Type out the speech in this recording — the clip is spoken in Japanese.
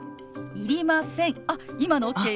いりません。